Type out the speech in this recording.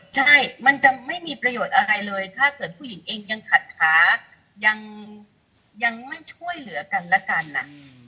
ใช่มันจะไม่มีประโยชน์อะไรเลยถ้าเกิดผู้หญิงเองยังขัดขายังยังไม่ช่วยเหลือกันแล้วกันอ่ะ